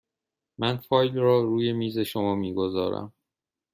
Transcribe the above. من فایل را روی میز شما می گذارم.